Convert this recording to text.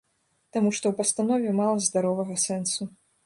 Таму што ў пастанове мала здаровага сэнсу.